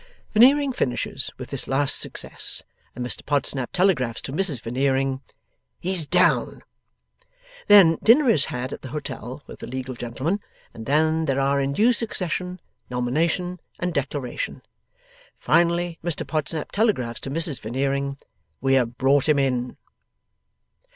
Veneering finishes with this last success, and Mr Podsnap telegraphs to Mrs Veneering, 'He's down.' Then, dinner is had at the Hotel with the legal gentleman, and then there are in due succession, nomination, and declaration. Finally Mr Podsnap telegraphs to Mrs Veneering, 'We have brought him in.